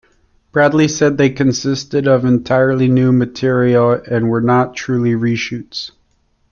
Bradley said they consisted of entirely new material and were not truly re-shoots.